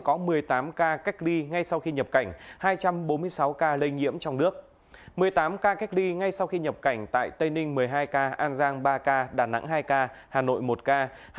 một mươi tám ca cách ly ngay sau khi nhập cảnh tại tây ninh một mươi hai ca an giang ba ca đà nẵng hai ca hà nội một ca